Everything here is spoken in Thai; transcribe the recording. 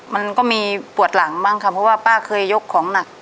มันก็มีปวดหลังบ้างค่ะเพราะว่าป้าเคยยกของหนัก